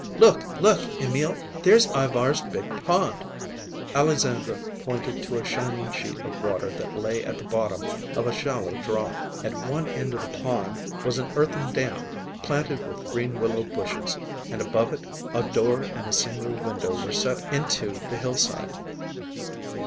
"Look, look, Emil, there's Ivar's big pond!" Alexandra pointed to a shining sheet of water that lay at the bottom of a shallow draw. At one end of the pond was an earthen dam, planted with green willow bushes, and above it a door and a single window were set into the hillside.